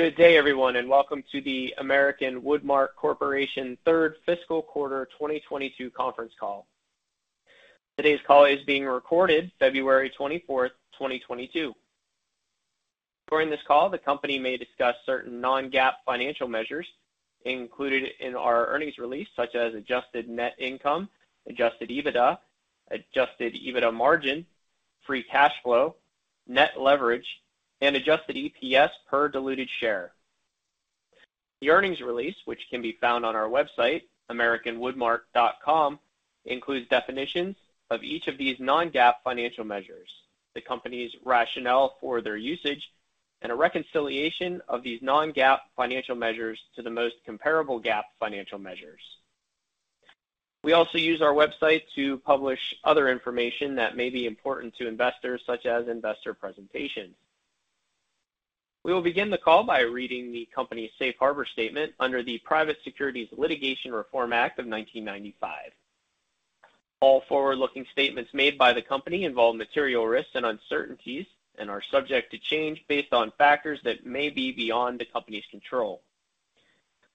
Good day, everyone, and welcome to the American Woodmark Corporation third fiscal quarter 2022 conference call. Today's call is being recorded February 24th, 2022. During this call, the company may discuss certain non-GAAP financial measures included in our earnings release, such as adjusted net income, adjusted EBITDA, adjusted EBITDA margin, free cash flow, net leverage, and adjusted EPS per diluted share. The earnings release, which can be found on our website, americanwoodmark.com, includes definitions of each of these non-GAAP financial measures, the company's rationale for their usage, and a reconciliation of these non-GAAP financial measures to the most comparable GAAP financial measures. We also use our website to publish other information that may be important to investors, such as investor presentations. We will begin the call by reading the company's safe harbor statement under the Private Securities Litigation Reform Act of 1995. All forward-looking statements made by the company involve material risks and uncertainties and are subject to change based on factors that may be beyond the company's control.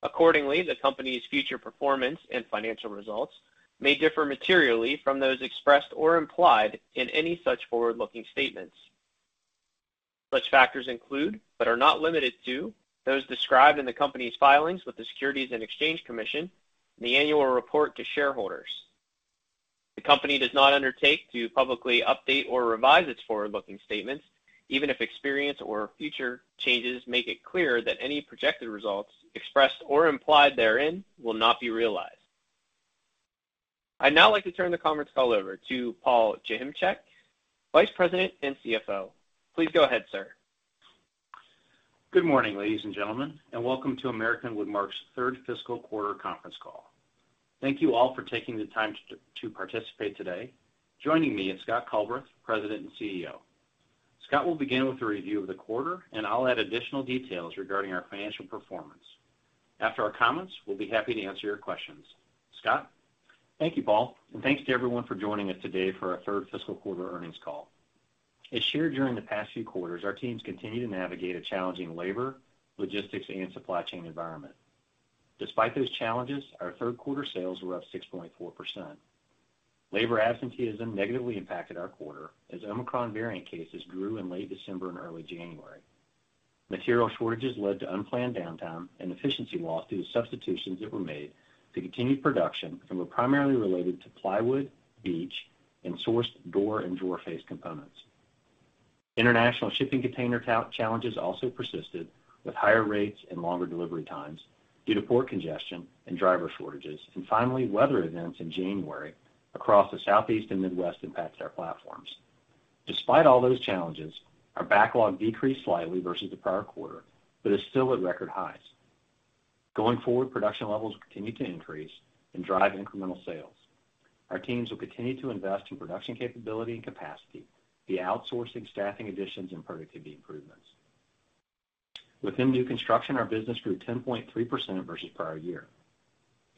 Accordingly, the company's future performance and financial results may differ materially from those expressed or implied in any such forward-looking statements. Such factors include, but are not limited to, those described in the company's filings with the Securities and Exchange Commission and the annual report to shareholders. The company does not undertake to publicly update or revise its forward-looking statements, even if experience or future changes make it clear that any projected results expressed or implied therein will not be realized. I'd now like to turn the conference call over to Paul Joachimczyk, Vice President and CFO. Please go ahead, sir. Good morning, ladies and gentlemen, and welcome to American Woodmark's third fiscal quarter conference call. Thank you all for taking the time to participate today. Joining me is Scott Culbreth, President and CEO. Scott will begin with a review of the quarter, and I'll add additional details regarding our financial performance. After our comments, we'll be happy to answer your questions. Scott? Thank you, Paul, and thanks to everyone for joining us today for our third fiscal quarter earnings call. As shared during the past few quarters, our teams continue to navigate a challenging labor, logistics, and supply chain environment. Despite those challenges, our third quarter sales were up 6.4%. Labor absenteeism negatively impacted our quarter as Omicron variant cases grew in late December and early January. Material shortages led to unplanned downtime and efficiency loss through the substitutions that were made to continue production and were primarily related to plywood, birch, and sourced door and drawer face components. International shipping container challenges also persisted with higher rates and longer delivery times due to port congestion and driver shortages. Finally, weather events in January across the Southeast and Midwest impacted our platforms. Despite all those challenges, our backlog decreased slightly versus the prior quarter, but is still at record highs. Going forward, production levels will continue to increase and drive incremental sales. Our teams will continue to invest in production capability and capacity via outsourcing, staffing additions, and productivity improvements. Within new construction, our business grew 10.3% versus prior year.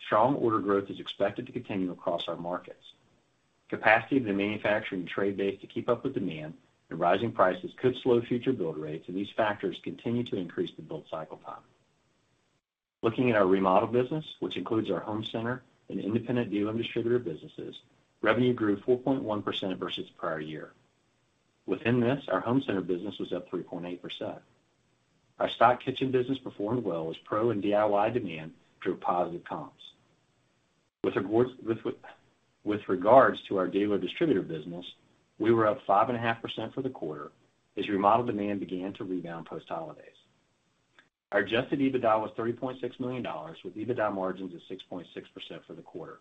Strong order growth is expected to continue across our markets. Capacity of the manufacturing trade base to keep up with demand and rising prices could slow future build rates, and these factors continue to increase the build cycle time. Looking at our remodel business, which includes our home center and independent dealer and distributor businesses, revenue grew 4.1% versus prior year. Within this, our home center business was up 3.8%. Our stock kitchen business performed well as pro and DIY demand drove positive comps. With regards to our dealer distributor business, we were up 5.5% for the quarter as remodel demand began to rebound post-holidays. Our adjusted EBITDA was $30.6 million with EBITDA margins of 6.6% for the quarter.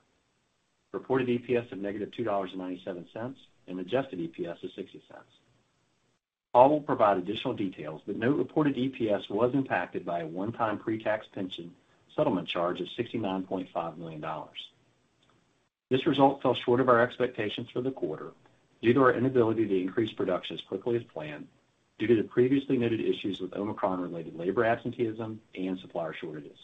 Reported EPS of -$2.97 and adjusted EPS of $0.60. Paul will provide additional details, but note reported EPS was impacted by a one-time pre-tax pension settlement charge of $69.5 million. This result fell short of our expectations for the quarter due to our inability to increase production as quickly as planned due to the previously noted issues with Omicron-related labor absenteeism and supplier shortages.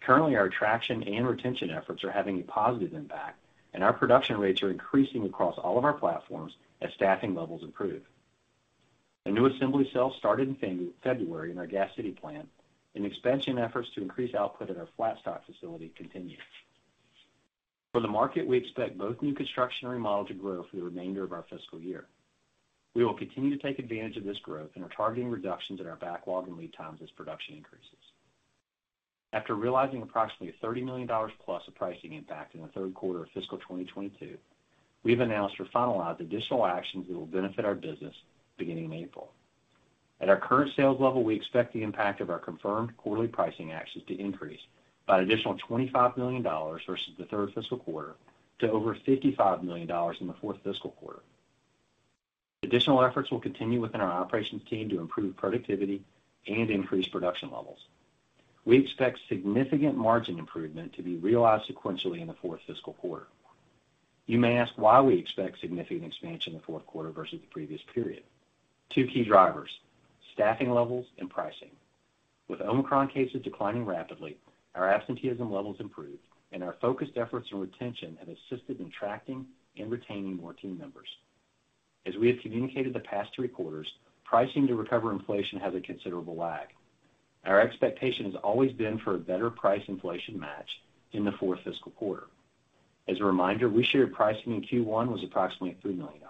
Currently, our attraction and retention efforts are having a positive impact, and our production rates are increasing across all of our platforms as staffing levels improve. A new assembly cell started in February in our Gas City plant, and expansion efforts to increase output at our flat stock facility continue. For the market, we expect both new construction and remodel to grow for the remainder of our fiscal year. We will continue to take advantage of this growth and are targeting reductions in our backlog and lead times as production increases. After realizing approximately $30 million plus of pricing impact in the third quarter of fiscal 2022, we've announced or finalized additional actions that will benefit our business beginning in April. At our current sales level, we expect the impact of our confirmed quarterly pricing actions to increase by an additional $25 million versus the third fiscal quarter to over $55 million in the fourth fiscal quarter. Additional efforts will continue within our operations team to improve productivity and increase production levels. We expect significant margin improvement to be realized sequentially in the fourth fiscal quarter. You may ask why we expect significant expansion in the fourth quarter versus the previous period. Two key drivers, staffing levels and pricing. With Omicron cases declining rapidly, our absenteeism levels improved and our focused efforts on retention have assisted in attracting and retaining more team members. As we have communicated over the past three quarters, pricing to recover inflation has a considerable lag. Our expectation has always been for a better price inflation match in the fourth fiscal quarter. As a reminder, we shared pricing in Q1 was approximately $3 million,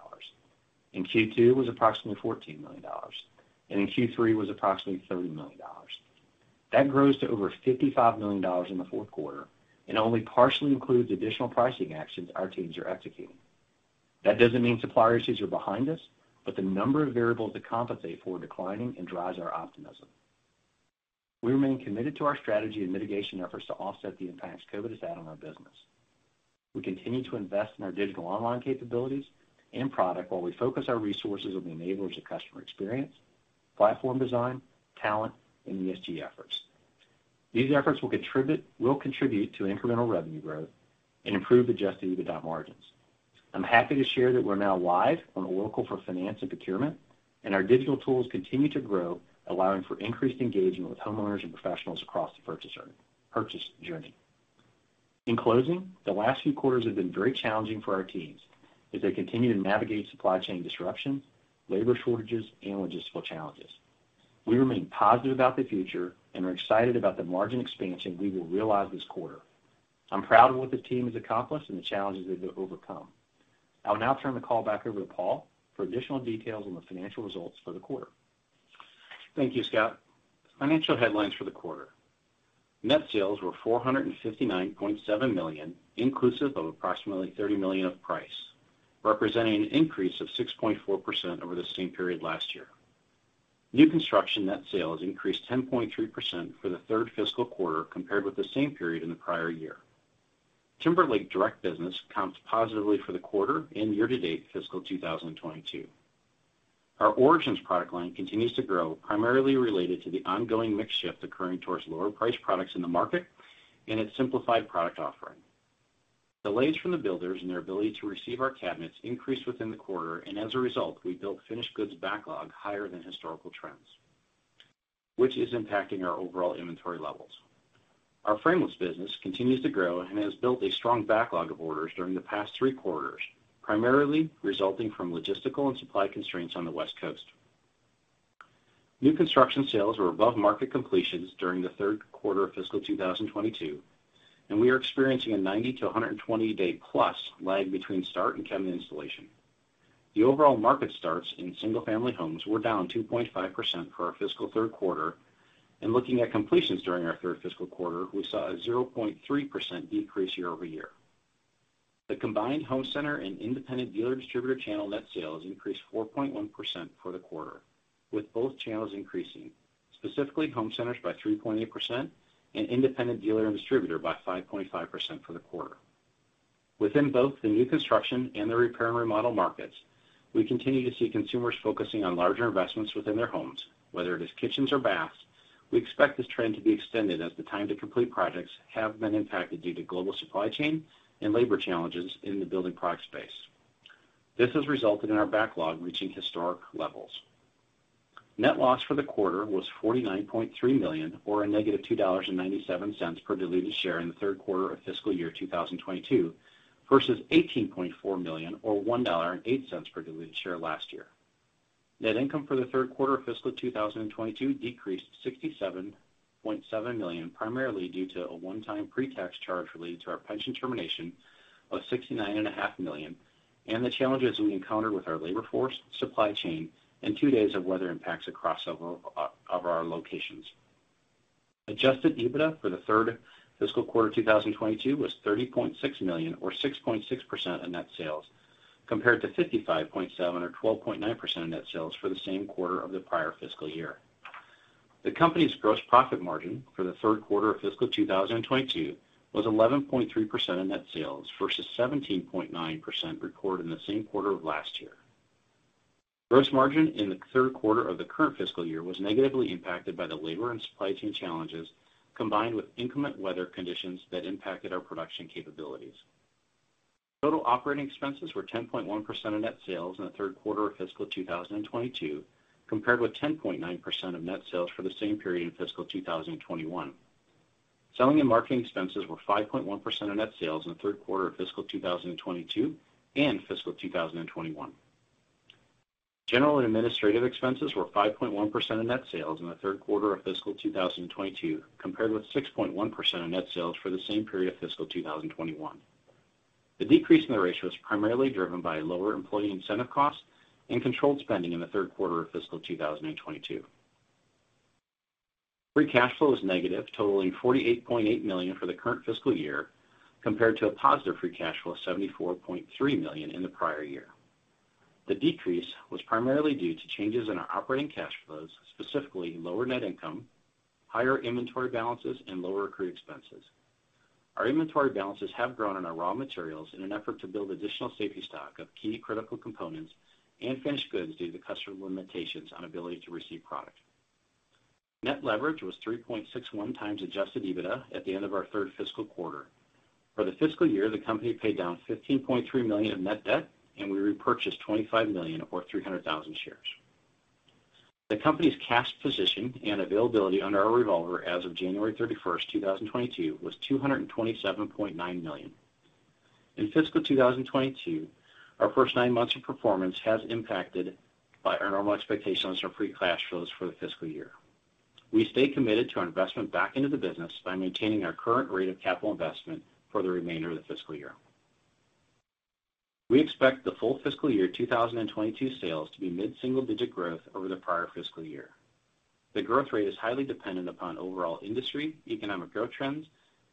in Q2 was approximately $14 million, and in Q3 was approximately $30 million. That grows to over $55 million in the fourth quarter and only partially includes additional pricing actions our teams are executing. That doesn't mean supply issues are behind us, but the number of variables to compensate for are declining and drives our optimism. We remain committed to our strategy and mitigation efforts to offset the impacts COVID has had on our business. We continue to invest in our digital online capabilities and product while we focus our resources on the enablers of customer experience, platform design, talent, and ESG efforts. These efforts will contribute to incremental revenue growth and improve adjusted EBITDA margins. I'm happy to share that we're now live on Oracle for finance and procurement, and our digital tools continue to grow, allowing for increased engagement with homeowners and professionals across the purchase journey. In closing, the last few quarters have been very challenging for our teams as they continue to navigate supply chain disruptions, labor shortages, and logistical challenges. We remain positive about the future and are excited about the margin expansion we will realize this quarter. I'm proud of what the team has accomplished and the challenges they've overcome. I'll now turn the call back over to Paul for additional details on the financial results for the quarter. Thank you, Scott. Financial headlines for the quarter. Net sales were $459.7 million, inclusive of approximately $30 million of price, representing an increase of 6.4% over the same period last year. New construction net sales increased 10.3% for the third fiscal quarter compared with the same period in the prior year. Timberlake direct business comps positively for the quarter and year-to-date fiscal 2022. Our Origins product line continues to grow, primarily related to the ongoing mix shift occurring towards lower-priced products in the market and its simplified product offering. Delays from the builders and their ability to receive our cabinets increased within the quarter, and as a result, we built finished goods backlog higher than historical trends, which is impacting our overall inventory levels. Our frameless business continues to grow and has built a strong backlog of orders during the past three quarters, primarily resulting from logistical and supply constraints on the West Coast. New construction sales were above market completions during the third quarter of fiscal 2022, and we are experiencing a 90- to 120-day plus lag between start and cabinet installation. The overall market starts in single-family homes were down 2.5% for our fiscal third quarter. Looking at completions during our third fiscal quarter, we saw a 0.3% decrease year-over-year. The combined home center and independent dealer distributor channel net sales increased 4.1% for the quarter, with both channels increasing, specifically home centers by 3.8% and independent dealer and distributor by 5.5% for the quarter. Within both the new construction and the repair and remodel markets, we continue to see consumers focusing on larger investments within their homes, whether it is kitchens or baths. We expect this trend to be extended as the time to complete projects have been impacted due to global supply chain and labor challenges in the building product space. This has resulted in our backlog reaching historic levels. Net loss for the quarter was $49.3 million, or -$2.97 per diluted share in the third quarter of fiscal year 2022 versus $18.4 million or $1.08 per diluted share last year. Net income for the third quarter of fiscal 2022 decreased $67.7 million, primarily due to a one-time pre-tax charge related to our pension termination of $69.5 million, and the challenges we encountered with our labor force, supply chain, and two days of weather impacts across several of our locations. Adjusted EBITDA for the third fiscal quarter of 2022 was $30.6 million or 6.6% of net sales, compared to $55.7 million or 12.9% of net sales for the same quarter of the prior fiscal year. The company's gross profit margin for the third quarter of fiscal 2022 was 11.3% of net sales versus 17.9% recorded in the same quarter of last year. Gross margin in the third quarter of the current fiscal year was negatively impacted by the labor and supply chain challenges, combined with inclement weather conditions that impacted our production capabilities. Total operating expenses were 10.1% of net sales in the third quarter of fiscal 2022, compared with 10.9% of net sales for the same period in fiscal 2021. Selling and marketing expenses were 5.1% of net sales in the third quarter of fiscal 2022 and fiscal 2021. General and administrative expenses were 5.1% of net sales in the third quarter of fiscal 2022, compared with 6.1% of net sales for the same period of fiscal 2021. The decrease in the ratio was primarily driven by lower employee incentive costs and controlled spending in the third quarter of fiscal 2022. Free cash flow was negative, totaling $48.8 million for the current fiscal year, compared to a positive free cash flow of $74.3 million in the prior year. The decrease was primarily due to changes in our operating cash flows, specifically lower net income, higher inventory balances, and lower accrued expenses. Our inventory balances have grown in our raw materials in an effort to build additional safety stock of key critical components and finished goods due to customer limitations on ability to receive product. Net leverage was 3.61x adjusted EBITDA at the end of our third fiscal quarter. For the fiscal year, the company paid down $15.3 million in net debt, and we repurchased $25 million or 300,000 shares. The company's cash position and availability under our revolver as of January 31st, 2022 was $227.9 million. In fiscal 2022, our first nine months of performance has impacted by our normal expectations for free cash flows for the fiscal year. We stay committed to our investment back into the business by maintaining our current rate of capital investment for the remainder of the fiscal year. We expect the full fiscal year 2022 sales to be mid-single-digit growth over the prior fiscal year. The growth rate is highly dependent upon overall industry, economic growth trends,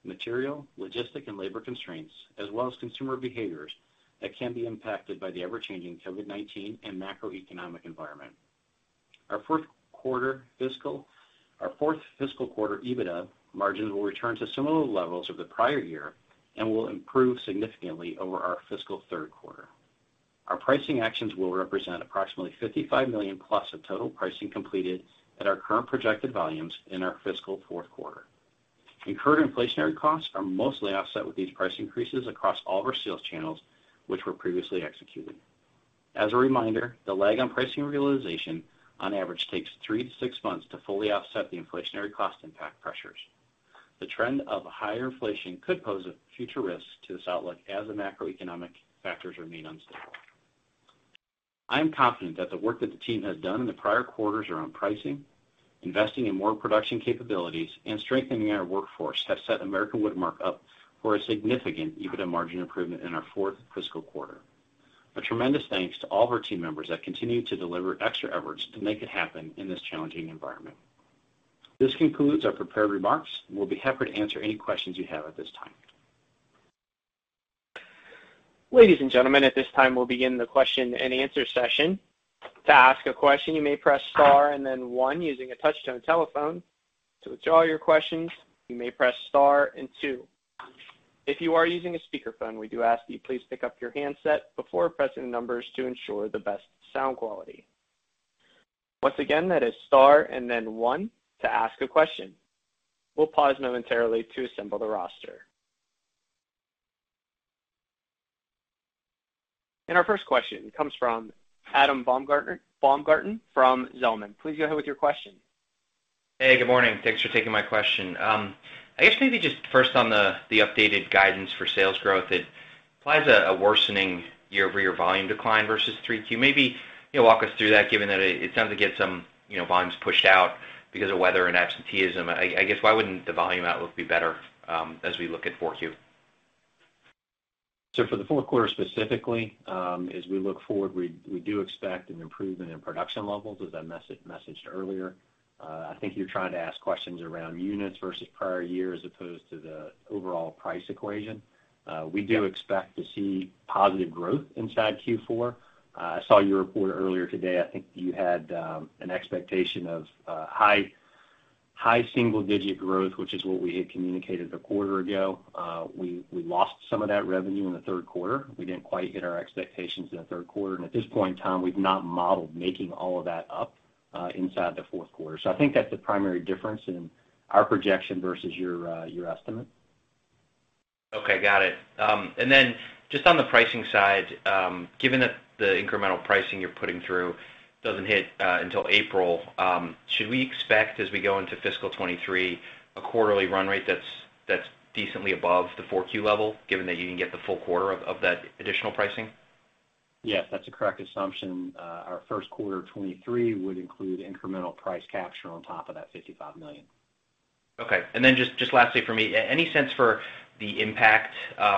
material, logistics, and labor constraints, as well as consumer behaviors that can be impacted by the ever-changing COVID-19 and macroeconomic environment. Our fourth fiscal quarter EBITDA margins will return to similar levels of the prior year and will improve significantly over our fiscal third quarter. Our pricing actions will represent approximately $55 million-plus of total pricing completed at our current projected volumes in our fiscal fourth quarter. Incurred inflationary costs are mostly offset with these price increases across all of our sales channels, which were previously executed. As a reminder, the lag on pricing realization on average takes three-six months to fully offset the inflationary cost impact pressures. The trend of higher inflation could pose a future risk to this outlook as the macroeconomic factors remain unstable. I am confident that the work that the team has done in the prior quarters around pricing, investing in more production capabilities, and strengthening our workforce have set American Woodmark up for a significant EBITDA margin improvement in our fourth fiscal quarter. A tremendous thanks to all of our team members that continue to deliver extra efforts to make it happen in this challenging environment. This concludes our prepared remarks. We'll be happy to answer any questions you have at this time. Ladies and gentlemen, at this time, we'll begin the question-and-answer session. To ask a question, you may press star and then one using a touch-tone telephone. To withdraw your questions, you may press star and two. If you are using a speakerphone, we do ask that you please pick up your handset before pressing the numbers to ensure the best sound quality. Once again, that is star and then one to ask a question. We'll pause momentarily to assemble the roster. Our first question comes from Adam Baumgarten from Zelman. Please go ahead with your question. Hey, good morning. Thanks for taking my question. I guess maybe just first on the updated guidance for sales growth. It implies a worsening year-over-year volume decline versus 3Q. Maybe, you know, walk us through that, given that it's time to get some, you know, volumes pushed out because of weather and absenteeism. I guess, why wouldn't the volume outlook be better, as we look at 4Q? For the fourth quarter specifically, as we look forward, we do expect an improvement in production levels, as I messaged earlier. I think you're trying to ask questions around units versus prior year as opposed to the overall price equation. We do expect to see positive growth inside Q4. I saw your report earlier today. I think you had an expectation of high single-digit growth, which is what we had communicated a quarter ago. We lost some of that revenue in the third quarter. We didn't quite hit our expectations in the third quarter. At this point in time, we've not modeled making all of that up inside the fourth quarter. I think that's the primary difference in our projection versus your estimate. Okay, got it. Just on the pricing side, given that the incremental pricing you're putting through doesn't hit until April, should we expect, as we go into fiscal 2023, a quarterly run rate that's decently above the Q4 level, given that you can get the full quarter of that additional pricing? Yes, that's a correct assumption. Our first quarter of 2023 would include incremental price capture on top of that $55 million. Okay. Just lastly for me, any sense for the impact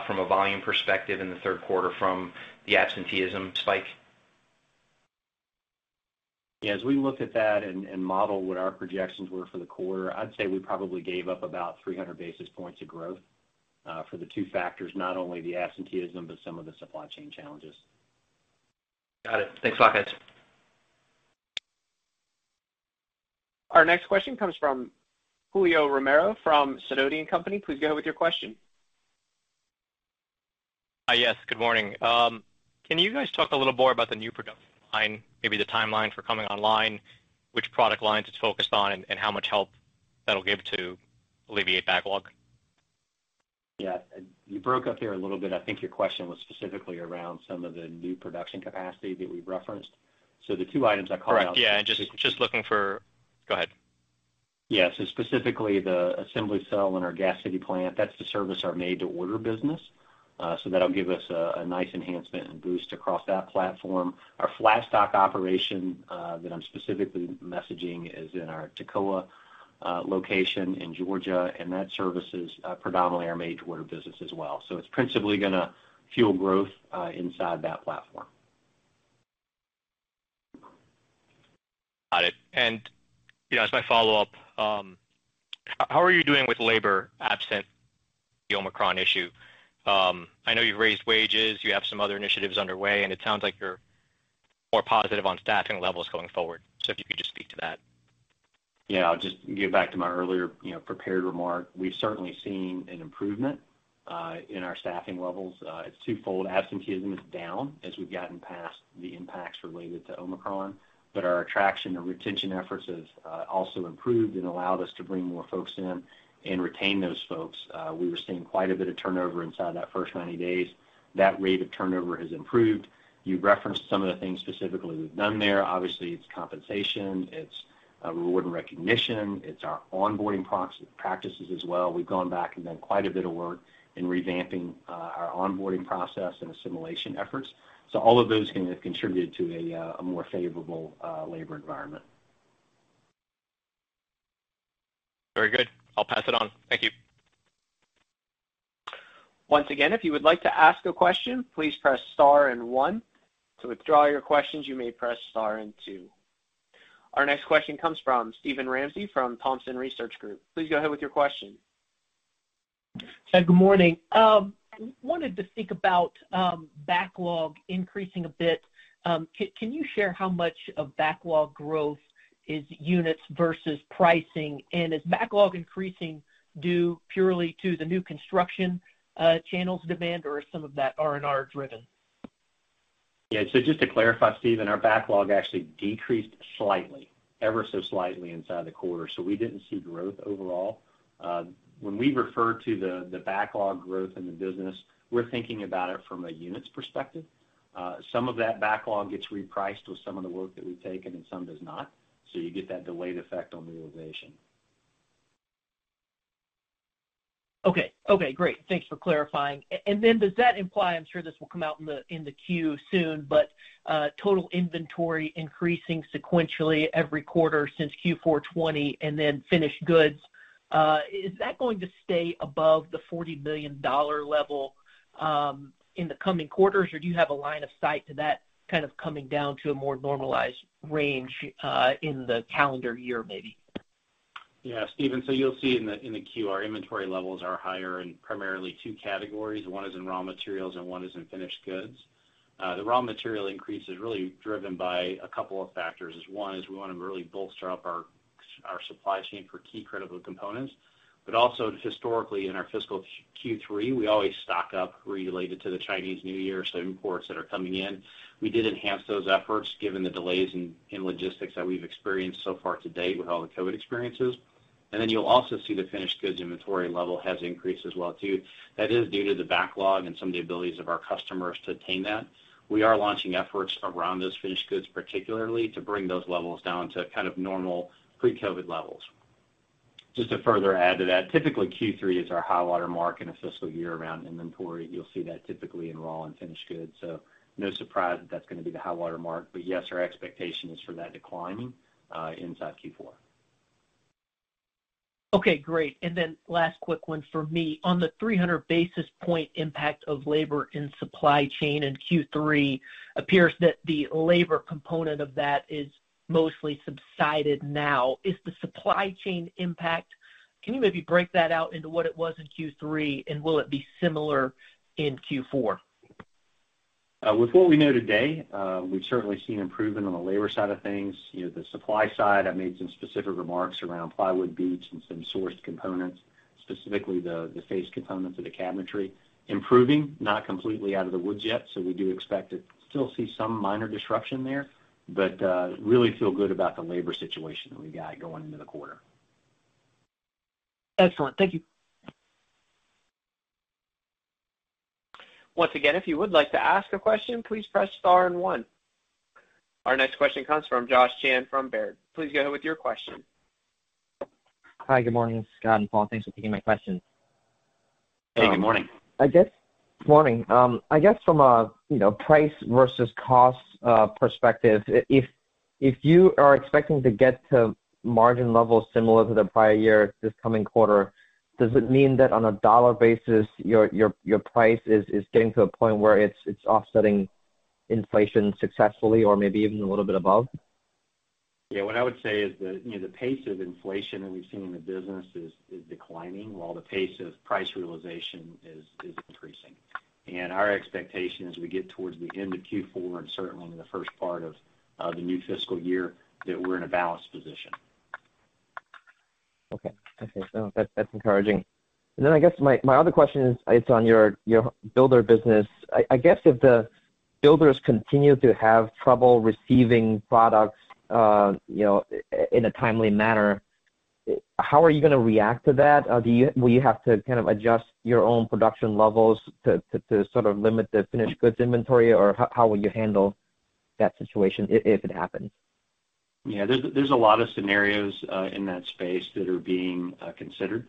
from a volume perspective in the third quarter from the absenteeism spike? Yeah. As we looked at that and modeled what our projections were for the quarter, I'd say we probably gave up about 300 basis points of growth for the two factors, not only the absenteeism, but some of the supply chain challenges. Got it. Thanks a lot, guys. Our next question comes from Julio Romero from Sidoti & Company. Please go ahead with your question. Yes, good morning. Can you guys talk a little more about the new production line, maybe the timeline for coming online, which product lines it's focused on, and how much help that'll give to alleviate backlog? Yeah. You broke up there a little bit. I think your question was specifically around some of the new production capacity that we referenced. The two items I called out. Correct. Yeah. Just looking for. Go ahead. Yeah. Specifically the assembly cell in our Gas City plant, that's to service our made-to-order business. That'll give us a nice enhancement and boost across that platform. Our flat stock operation, that I'm specifically messaging is in our Toccoa location in Georgia, and that services predominantly our made-to-order business as well. It's principally gonna fuel growth inside that platform. Got it. You know, as my follow-up, how are you doing with labor absent the Omicron issue? I know you've raised wages, you have some other initiatives underway, and it sounds like you're more positive on staffing levels going forward. If you could just speak to that. Yeah. I'll just get back to my earlier, you know, prepared remark. We've certainly seen an improvement in our staffing levels. It's twofold. Absenteeism is down as we've gotten past the impacts related to Omicron, but our attraction to retention efforts has also improved and allowed us to bring more folks in and retain those folks. We were seeing quite a bit of turnover inside that first 90 days. That rate of turnover has improved. You've referenced some of the things specifically we've done there. Obviously, it's compensation, it's reward and recognition, it's our onboarding practices as well. We've gone back and done quite a bit of work in revamping our onboarding process and assimilation efforts. All of those things have contributed to a more favorable labor environment. Very good. I'll pass it on. Thank you. Once again, if you would like to ask a question please press star and one, to withdraw your question you may press star and two. Our next question comes from Steven Ramsey from Thompson Research Group. Please go ahead with your question. Good morning. Wanted to think about backlog increasing a bit. Can you share how much of backlog growth is units versus pricing? Is backlog increasing due purely to the new construction channels demand, or is some of that R&R driven? Just to clarify, Steven, our backlog actually decreased slightly, ever so slightly inside the quarter. We didn't see growth overall. When we refer to the backlog growth in the business, we're thinking about it from a units perspective. Some of that backlog gets repriced with some of the work that we've taken and some does not. You get that delayed effect on realization. Okay. Okay, great. Thanks for clarifying. And then does that imply, I'm sure this will come out in the queue soon, but total inventory increasing sequentially every quarter since Q4 2020, and then finished goods is that going to stay above the $40 million level in the coming quarters? Or do you have a line of sight to that kind of coming down to a more normalized range in the calendar year, maybe? Yeah, Steven. You'll see in the Q our inventory levels are higher in primarily two categories. One is in raw materials and one is in finished goods. The raw material increase is really driven by a couple of factors. One is we wanna really bolster up our supply chain for key critical components. Also, historically, in our fiscal Q3, we always stock up related to the Chinese New Year, so imports that are coming in. We did enhance those efforts given the delays in logistics that we've experienced so far to date with all the COVID experiences. You'll also see the finished goods inventory level has increased as well too. That is due to the backlog and some of the abilities of our customers to attain that. We are launching efforts around those finished goods, particularly to bring those levels down to kind of normal pre-COVID levels. Just to further add to that, typically Q3 is our high water mark in a fiscal year around inventory. You'll see that typically in raw and finished goods. No surprise that that's gonna be the high water mark. Yes, our expectation is for that declining, inside Q4. Okay, great. Last quick one for me. On the 300 basis points impact of labor and supply chain in Q3, it appears that the labor component of that is mostly subsided now. Is the supply chain impact? Can you maybe break that out into what it was in Q3, and will it be similar in Q4? With what we know today, we've certainly seen improvement on the labor side of things. You know, the supply side, I made some specific remarks around plywood, birch, and some sourced components, specifically the face components of the cabinetry, improving, not completely out of the woods yet, so we do expect to still see some minor disruption there. We really feel good about the labor situation that we've got going into the quarter. Excellent. Thank you. Once again if you would like to ask a question please press star and one. Our next question comes from Josh Chan from Baird. Please go ahead with your question. Hi, good morning, Scott and Paul. Thanks for taking my question. Hey, good morning. Good morning. I guess from a, you know, price versus cost perspective, if you are expecting to get to margin levels similar to the prior year this coming quarter, does it mean that on a dollar basis, your price is getting to a point where it's offsetting inflation successfully or maybe even a little bit above? Yeah. What I would say is the, you know, the pace of inflation that we've seen in the business is declining while the pace of price realization is increasing. Our expectation as we get towards the end of Q4 and certainly in the first part of the new fiscal year is that we're in a balanced position. Okay, so that's encouraging. Then I guess my other question is on your builder business. I guess if the builders continue to have trouble receiving products, you know, in a timely manner, how are you gonna react to that? Will you have to kind of adjust your own production levels to sort of limit the finished goods inventory, or how will you handle that situation if it happens? Yeah. There's a lot of scenarios in that space that are being considered.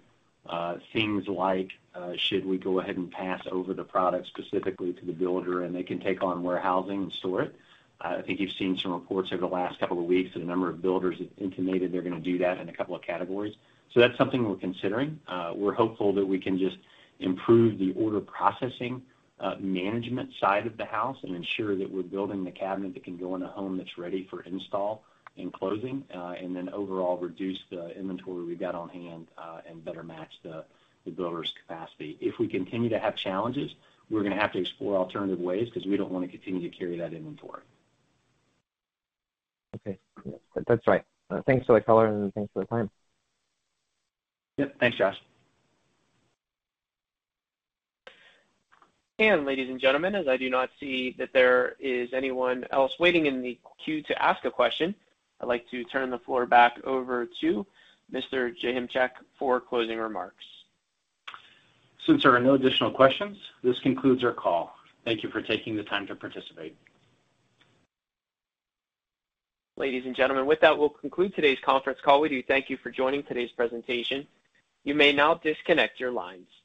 Things like should we go ahead and pass over the product specifically to the builder and they can take on warehousing and store it. I think you've seen some reports over the last couple of weeks that a number of builders have intimated they're gonna do that in a couple of categories. That's something we're considering. We're hopeful that we can just improve the order processing management side of the house and ensure that we're building the cabinet that can go in a home that's ready for install and closing, and then overall reduce the inventory we've got on hand, and better match the builder's capacity. If we continue to have challenges, we're gonna have to explore alternative ways 'cause we don't wanna continue to carry that inventory. Okay. That's right. Thanks for the color and thanks for the time. Yep. Thanks, Josh. Ladies and gentlemen, as I do not see that there is anyone else waiting in the queue to ask a question, I'd like to turn the floor back over to Mr. Joachimczyk for closing remarks. Since there are no additional questions, this concludes our call. Thank you for taking the time to participate. Ladies and gentlemen, with that, we'll conclude today's conference call. We do thank you for joining today's presentation. You may now disconnect your lines.